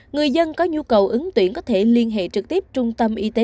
người dân có nhu cầu ứng tuyển có thể liên hệ trực tiếp trung tâm y tế